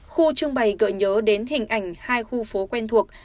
khu trưng bày gợi nhớ đến hình ảnh hai khu phố quen thuộc